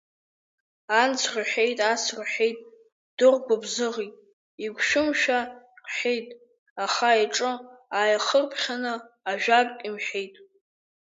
Анс рҳәеит, ас рҳәеит, ддыргәыбзыӷит, игәшәы-мшәа рҳәеит, аха иҿы ааихырԥхьаны ажәак имҳәеит.